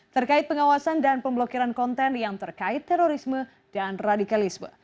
terkait pengawasan dan pemblokiran konten yang terkait terorisme dan radikalisme